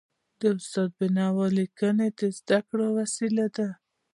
استاد د بينوا ليکني د زده کړي وسیله ده.